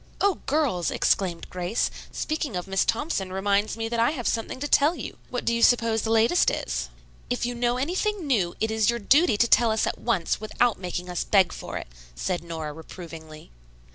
"O girls!" exclaimed Grace. "Speaking of Miss Thompson, reminds me that I have something to tell you. What do you suppose the latest is?" "If you know anything new, it is your duty to tell us at once, without making us beg for it," said Nora reprovingly.